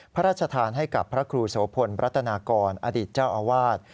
พระราชทานให้กับพระครูโสพลรัตนากรอดีตเจ้าอาวาส